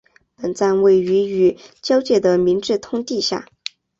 本站位于与交界的明治通地下。